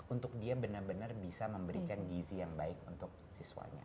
untuk dia benar benar bisa memberikan gizi yang baik untuk siswanya